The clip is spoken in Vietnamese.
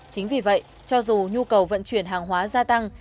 chính vì vậy cho dù nhu cầu vận chuyển hàng hóa gia tăng